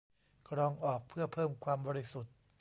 กรองออกเพื่อเพิ่มความบริสุทธิ์